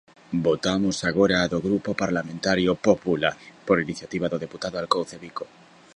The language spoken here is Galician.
Votamos agora a do Grupo Parlamentario Popular, por iniciativa do deputado Alcouce Bico.